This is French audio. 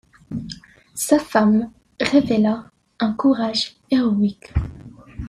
Sa femme révéla un courage héroïque.